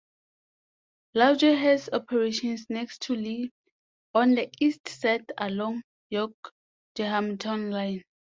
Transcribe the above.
Lafarge has operations next to Lee on the east side along York-Durham Townline.